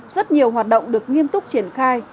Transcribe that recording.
rất nhiều hoạt động được nghiêm túc triển khai